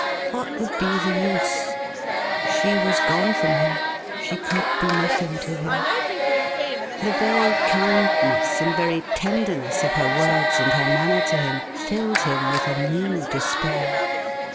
What would be the use? She was gone from him — she could be nothing to him ; the very kindness and very tenderness of her words and her manner to him filled him with a new despair.